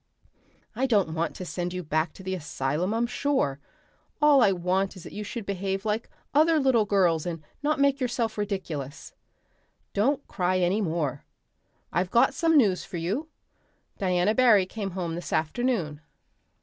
"I don't want to send you back to the asylum, I'm sure. All I want is that you should behave like other little girls and not make yourself ridiculous. Don't cry any more. I've got some news for you. Diana Barry came home this afternoon.